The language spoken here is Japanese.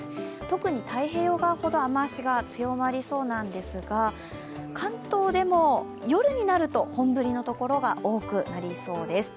特に太平洋側ほど雨足が強まりそうなんですが関東でも夜になると本降りの所が多くなりそうです。